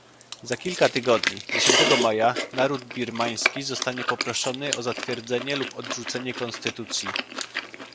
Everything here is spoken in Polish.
Za kilka tygodni, dziesiątego maja, naród birmański zostanie poproszony o zatwierdzenie lub odrzucenie konstytucji